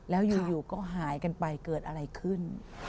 แล้วอยู่ก็หายกันไปเกิดอะไรขึ้น